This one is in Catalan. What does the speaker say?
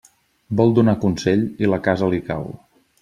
Vol donar consell i la casa li cau.